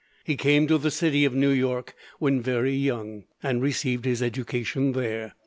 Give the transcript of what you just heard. He came to the city of New York when very young, and received his education there.